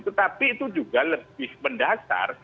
tetapi itu juga lebih mendasar